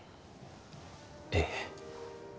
ええ